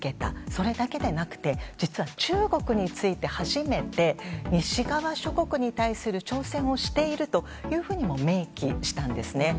それだけでなくて実は中国について、初めて西側諸国に対する挑戦をしていると明記したんですね。